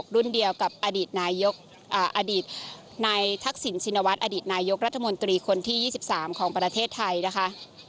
รุ่นเดียวกับอดีตนายกอดีตนายทักษิณชินวัฒน์อดีตนายกรัฐมนตรีคนที่๒๓ของประเทศไทยนะคะ